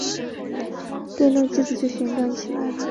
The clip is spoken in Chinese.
电动机转子就旋转起来了。